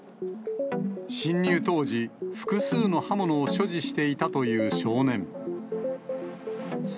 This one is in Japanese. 侵入当時、複数の刃物を所持していたという少年。